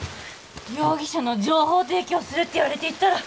容疑者の情報提供するって言われて行ったら